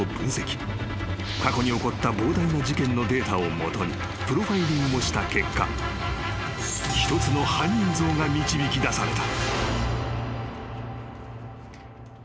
［過去に起こった膨大な事件のデータを基にプロファイリングをした結果一つの犯人像が導きだされた］